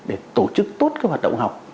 để tổ chức tốt cái hoạt động học